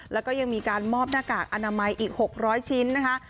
แล้วก็ยังมีการมอบหน้ากากอนามัยอีก๖๐๐ชิ้นนะคะ